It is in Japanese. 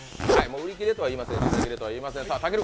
売り切れとは言いません、品切れとは言いません。